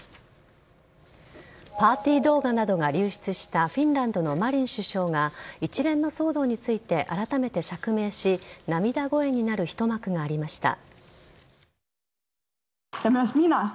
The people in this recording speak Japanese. パーティー動画などが流出したフィンランドのマリン首相が一連の騒動についてあらためて釈明し涙声になる一幕がありました。